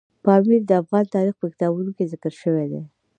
پامیر د افغان تاریخ په کتابونو کې ذکر شوی دی.